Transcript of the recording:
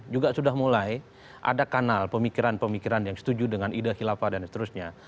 juga sudah mulai ada kanal pemikiran pemikiran yang setuju dengan ide khilafah dan seterusnya